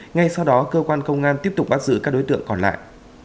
ngay sau đó cơ quan công an tiếp tục bắt giữ các đối tượng còn lại